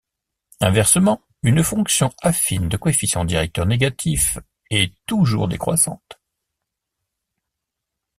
Inversement, une fonction affine de coefficient directeur négatif est toujours décroissante.